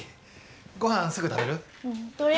ごはんすぐ食べる？